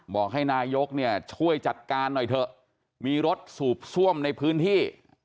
บอกให้นายกเนี่ยช่วยจัดการหน่อยเถอะมีรถสูบซ่วมในพื้นที่